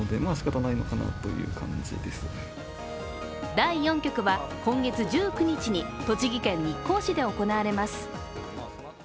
第４局は、今月１９日に栃木県日光市で行われます。